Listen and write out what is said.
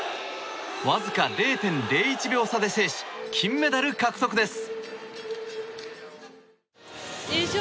わずか０．０１秒差で制し金メダル獲得です。